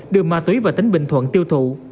đưa ma túy vào tính bình thuận tiêu thụ